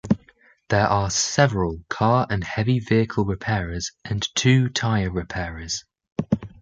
There are several car and heavy vehicle repairers and two tyre repairers.